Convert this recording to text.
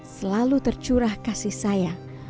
selalu tercurah kasih sayang